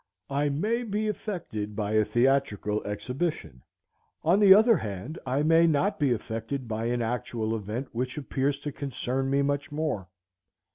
I may be affected by a theatrical exhibition; on the other hand, I may not be affected by an actual event which appears to concern me much more.